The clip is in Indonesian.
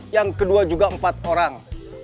yang kedua juga empat orang